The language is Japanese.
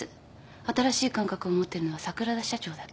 新しい感覚を持ってるのは桜田社長だけ。